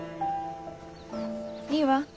いいわ。